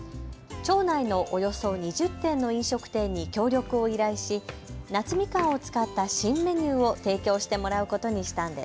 町内のおよそ２０店の飲食店に協力を依頼し夏みかんを使った新メニューを提供してもらうことにしたんです。